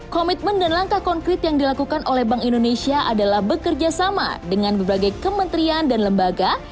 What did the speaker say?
komitmen dan langkah konkret yang dilakukan oleh bank indonesia adalah bekerja sama dengan berbagai kementerian dan lembaga